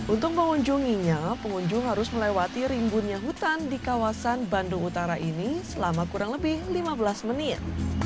untuk mengunjunginya pengunjung harus melewati rimbunnya hutan di kawasan bandung utara ini selama kurang lebih lima belas menit